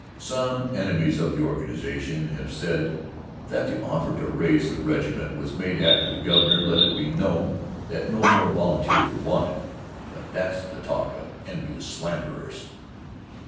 Some enemies of the organization have said that the offer to raise the regiment was made after the Governor let it be known that no more volunteers were wanted, but that's the talk of envious slanderers.